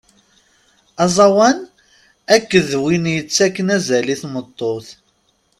Aẓawan akked win yettakken azal i tmeṭṭut.